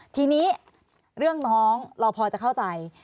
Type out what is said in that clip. ทีนี้เรื่องน้องเราพอจะเข้าใจ